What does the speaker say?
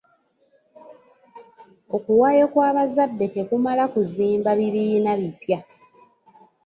Okuwaayo kw'abazadde tekumala kuzimba bibiina bipya.